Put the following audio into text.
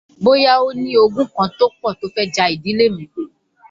Bóyá ó ní ogún kan tó pọ̀ tó fẹ́ ja ìdílé mi.